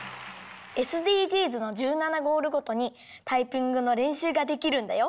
ＳＤＧｓの１７ゴールごとにタイピングのれんしゅうができるんだよ。